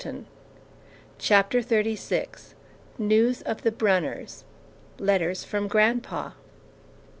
] CHAPTER XXXVI NEWS OF THE BRUNNERS LETTERS FROM GRANDPA.